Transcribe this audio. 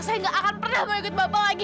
saya gak akan pernah mau ikut bapak lagi